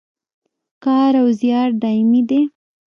کار او زیار دایمي دی